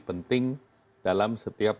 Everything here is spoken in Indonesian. penting dalam setiap